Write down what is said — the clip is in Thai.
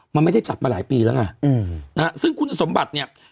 มันไม่ได้จัดมาหลายปีแล้วไงอืมนะฮะซึ่งคุณสมบัติเนี่ย